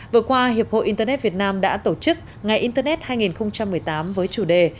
vừa qua hiệp hội internet việt nam đã tổ chức ngày internet hai nghìn một mươi tám với chủ đề